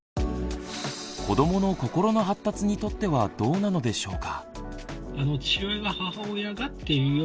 子どもの心の発達にとってはどうなのでしょうか？